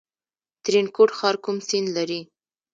ترینکوټ ښار کوم سیند لري؟